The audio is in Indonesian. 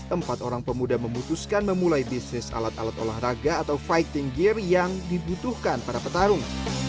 empat orang pemuda memutuskan memulai bisnis alat alat olahraga atau fighting gear yang dibutuhkan para petarung